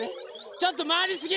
ちょっとまわりすぎ！